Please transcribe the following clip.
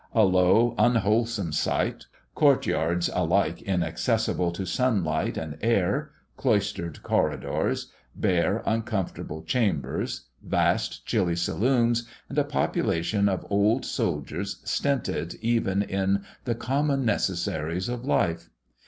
A low, unwholesome site, courtyards alike inaccessible to sunlight and air, cloistered corridors, bare, uncomfortable chambers, vast, chilly saloons, and a population of old soldiers stinted even in the common necessaries of life.